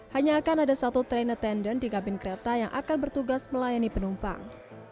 hanya akan ada satu train attendant di kabin kereta yang akan bertugas melayani penumpang